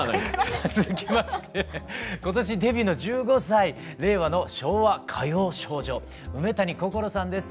さあ続きまして今年デビューの１５歳令和の昭和歌謡少女梅谷心愛さんです。